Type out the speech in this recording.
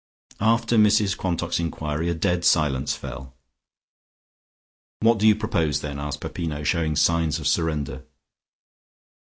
After Mrs Quantock's enquiry a dead silence fell. "What do you propose, then?" asked Peppino, showing signs of surrender.